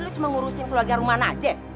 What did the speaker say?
lo cuma ngurusin keluarga rumana aja